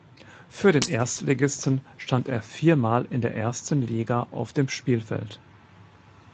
Für den Erstligisten stand er viermal in der ersten Liga auf dem Spielfeld.